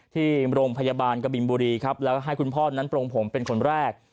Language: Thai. ที่โรงพยาบาลกบินบุรีครับแล้วก็ให้คุณพ่อนั้นปรงผมเป็นคนแรก